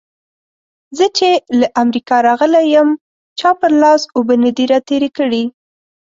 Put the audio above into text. زه چې له امريکا راغلی يم؛ چا پر لاس اوبه نه دې راتېرې کړې.